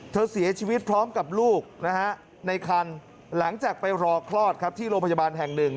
เธอเสียชีวิตพร้อมกับลูกในคันหลังจากไปรอคลอดที่โรงพยาบาลแห่ง๑